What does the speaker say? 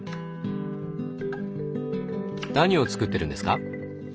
何を作ってるんですか？